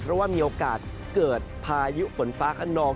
เพราะว่ามีโอกาสเกิดพายุฝนฟ้าขนอง